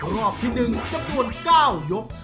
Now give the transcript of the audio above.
รอบที่๑จำนวน๙ยก